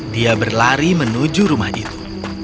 dia berlari menuju rumah itu